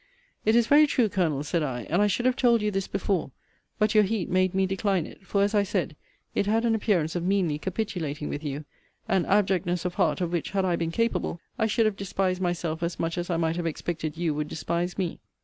It is very true, Colonel, said I: and I should have told you this before: but your heat made me decline it; for, as I said, it had an appearance of meanly capitulating with you. An abjectness of heart, of which, had I been capable, I should have despised myself as much as I might have expected you would despise me.